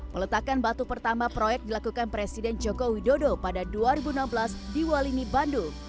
peletakan batu pertama proyek dilakukan presiden joko widodo pada dua ribu enam belas di walini bandung